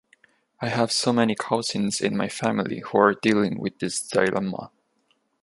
I have so many cousins in my family who are dealing with this dilemma.